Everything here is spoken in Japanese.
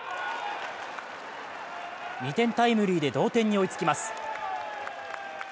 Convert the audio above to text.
２点タイムリーで同点に追いつきます。